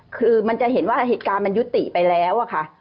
คือมันจะเห็นว่าเหตุการณ์มันยุติไปแล้วอะค่ะ